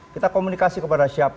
kita komunikasi kepada siapa